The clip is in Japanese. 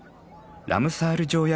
ラムサール条約